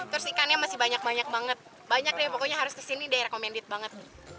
terus ikannya masih banyak banyak banget banyak deh pokoknya harus kesini deh recommended banget